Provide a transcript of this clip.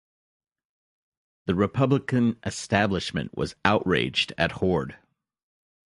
The Republican establishment was outraged at Hoard.